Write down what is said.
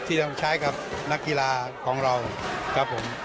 ที่ต้องใช้กับนักกีฬาของเราครับผม